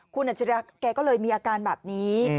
คุณอัจฉริยะแกก็เลยมีอาการแบบนี้